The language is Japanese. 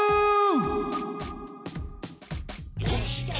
「どうして？